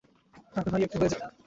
রাধে ভাইয়া একটু হয়ে যাক!